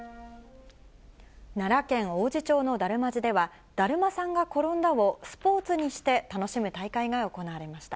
奈良県王寺町の達磨寺では、だるまさんがころんだをスポーツにして楽しむ大会が行われました。